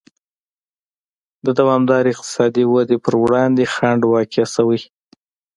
د دوامدارې اقتصادي ودې پر وړاندې خنډ واقع شوی.